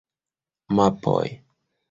Mapoj!